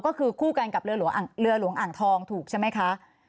ก็คือคู่กันกับเรือหลวงอ่างทองถูกใช่ไหมคะ